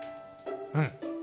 うん。